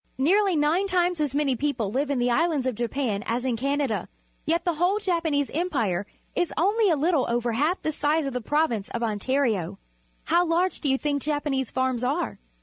Nearly nine times as many people live in the islands of Japan as in Canada, yet the whole Japanese Em pire is only a Httle over half the size of the prov ince of Ontario. How large do you think Japanese farms are?